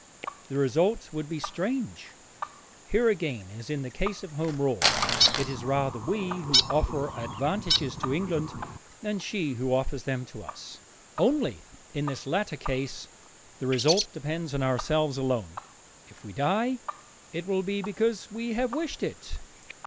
The result would be strange. Here again, as in the case of Home Rule, it is rather we who offer advantages to England than she who offers them to us. Only, in this latter case, the result depends on ourselves alone. If we die, it will be because we have wished it.